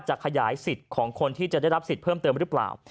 ขยายสิทธิ์ของคนที่จะได้รับสิทธิ์เพิ่มเติมหรือเปล่า